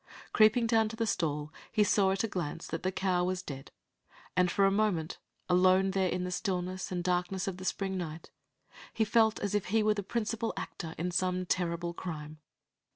Creeping down into the stall, he saw at a glance that the cow was dead, and for a moment, alone there in the stillness and darkness of the spring night, he felt as if he were the principal actor in some terrible crime.